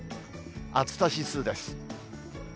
暑さ指数です。